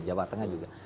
jawa tengah juga